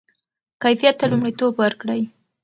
کیفیت ته لومړیتوب ورکړئ.